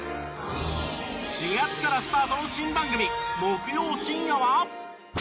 ４月からスタートの新番組木曜深夜は。